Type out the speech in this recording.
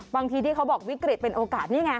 บางทีที่เขาบอกวิกฤตเป็นโอกาสนี่ไง